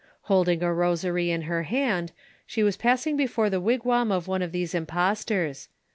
Holding a roaar^ in her hand, ■he waa pasting before tho wigwam of one of thoM iuipottora.